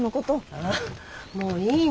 あもういいの。